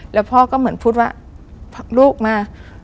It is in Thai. แล้วพ่อก็เหมือนพูดว่าลูกมา